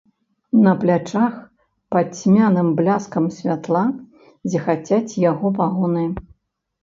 На плячах, пад цьмяным бляскам святла, зіхацяць яго пагоны.